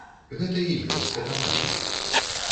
Гэта і ёсць катаванні.